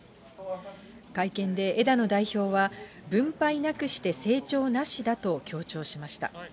会見で枝野代表は、分配なくして成長なしだと強調しました。